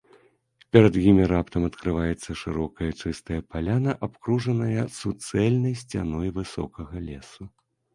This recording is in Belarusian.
Перад імі раптам адкрываецца шырокая чыстая паляна, абкружаная суцэльнай сцяной высокага лесу.